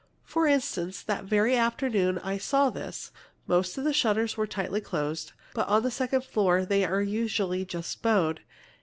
For instance, that very afternoon I saw this: 'most all the shutters are tightly closed, but on the second floor they are usually just bowed.